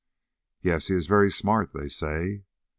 "Yes, he is very smart, they say."